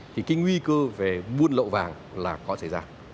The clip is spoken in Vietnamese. thì cái nguy cơ về buôn lậu vàng là có xảy ra